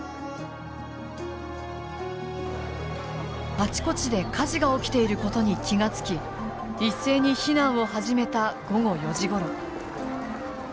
あちこちで火事が起きていることに気が付き一斉に避難を始めた午後４時ごろ。